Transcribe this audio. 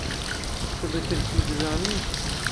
Tu bi tirkî dizanî?